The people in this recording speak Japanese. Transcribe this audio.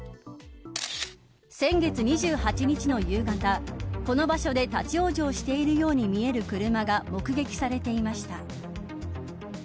先月２８日の夕方この場所で、立ち往生しているように見える車が目撃されていました。